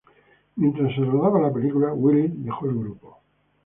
Mientras se rodaba la película, Willis dejó el grupo.